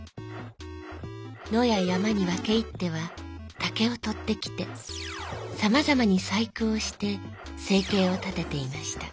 野や山に分け入っては竹を取ってきてさまざまに細工をして生計を立てていました。